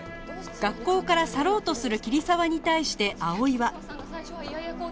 学校から去ろうとする桐沢に対して葵は